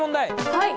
はい！